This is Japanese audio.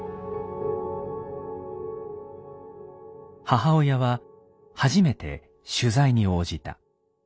母親は初めて取材に応じた。